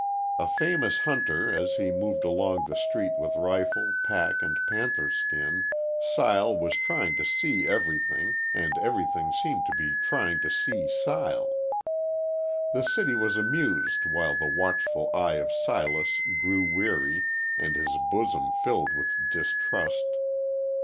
A famous hunter, as he moved along the street with rifle, pack, and panther skin, Sile was trying to see everything, and everything seemed to be trying to see Sile. The city was amused while the watchful eye of Silas grew weary and his bosom filled with distrust.